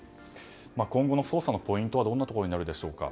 今後の捜査のポイントはどこになるでしょうか？